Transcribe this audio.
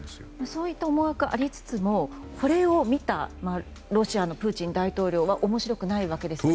そういった思惑がありつつもこれを見たロシアのプーチン大統領は面白くないわけですよね。